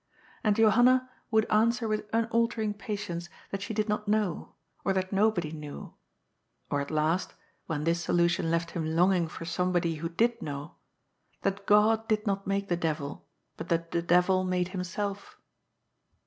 And Johanna would answer with unaltering patience that she did not know, or that nobody knew, or at last — when this solution left him longing for somebody who did know — that Ood did not make the devil, but that the devil made himself.